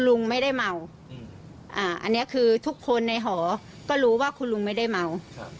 หอมป้าทำร้ายลุงไม่ได้ทำ